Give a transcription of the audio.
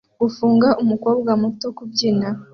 Gufunga umukobwa muto kubyina